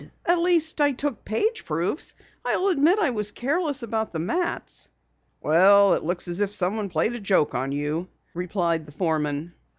At least I took page proofs. I'll admit I was careless about the mats." "Well, it looks as if someone played a joke on you," replied the foreman.